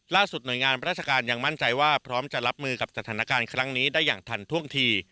หน่วยงานราชการยังมั่นใจว่าพร้อมจะรับมือกับสถานการณ์ครั้งนี้ได้อย่างทันท่วงที